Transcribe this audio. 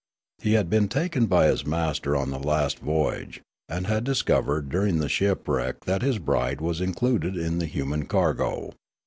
He had been taken by his master on the last voyage, and had discovered during the shipwreck that his bride was in cluded in the human cargo.